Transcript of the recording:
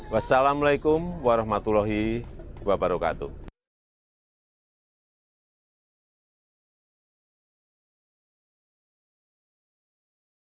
wassalamu'alaikum warahmatullahi wabarakatuh